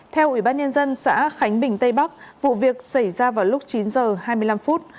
theo ủy ban nhân dân xã khánh bình tây bắc vụ việc xảy ra vào lúc chín h hai mươi năm phút